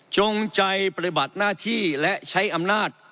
จงใจปฏิบัติหน้าที่และใช้อำนาจ